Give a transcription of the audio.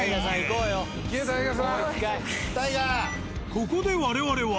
ここで我々は。